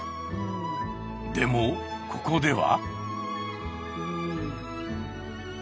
でもここでは。